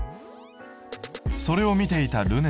それを見ていたるね